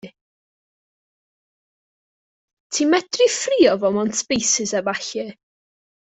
Ti'n medru 'i ffrio fo mewn sbeisys a ballu.